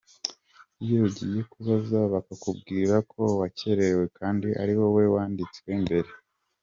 Iyo ugiye kubaza bakubwira ko wakererewe kandi ari wowe wanditswe mbere.